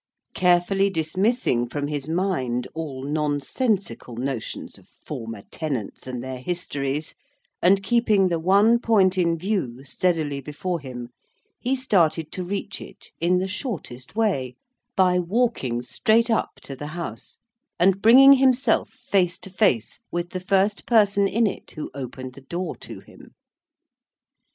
Carefully dismissing from his mind all nonsensical notions of former tenants and their histories, and keeping the one point in view steadily before him, he started to reach it in the shortest way, by walking straight up to the House, and bringing himself face to face with the first person in it who opened the door to him.